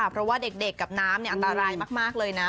เพราะว่าเด็กกับน้ำอันตรายมากเลยนะ